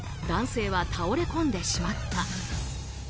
男性は倒れこんでしまった。